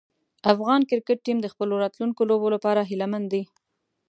افغان کرکټ ټیم د خپلو راتلونکو لوبو لپاره هیله مند دی.